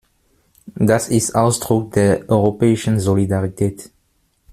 Das ist Ausdruck der europäischen Solidarität.